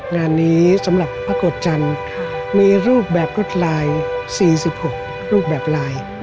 งานนี้สำหรับพระโกรธจันทร์มีรูปแบบรวดลาย๔๖รูปแบบลาย